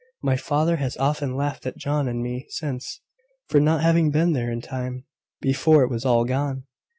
My father has often laughed at John and me since, for not having been there in time, before it was all gone."